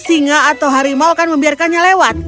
singa atau harimau kan membiarkannya lewat